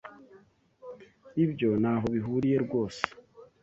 Ibyo ntaho bihuriye rwose.